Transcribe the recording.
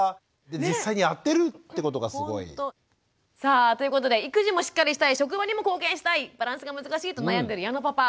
実際にやってるってことがすごい。さあということで育児もしっかりしたい職場にも貢献したいバランスが難しいと悩んでる矢野パパ。